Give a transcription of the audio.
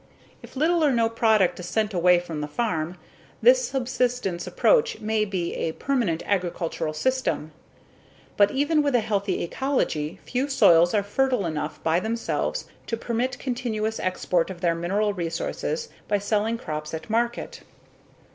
If little or no product is sent away from the farm, this subsistence approach may be a permanent agricultural system. But even with a healthy ecology few soils are fertile enough by themselves to permit continuous export of their mineral resources by selling crops at market.